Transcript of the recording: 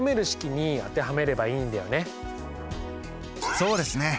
そうですね。